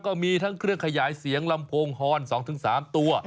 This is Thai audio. ก็มีทั้งเครื่องขยายเสียงลำโพงฮอน๒๓ตัว